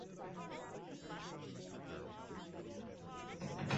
This music, claim Debtera, is the basis of their performances.